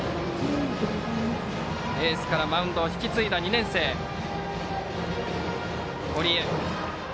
エースからマウンドを引き継いだ２年生、堀江。